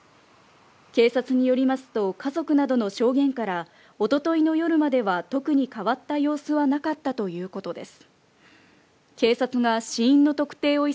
警察によりますと、家族などの証言から、おとといの夜までは特に変わった様子はなかったということです。